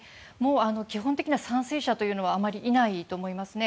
基本的には賛成者はあまりいないと思いますね。